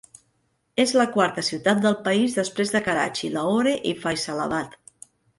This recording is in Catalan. És la quarta ciutat del país després de Karachi, Lahore i Faisalabad.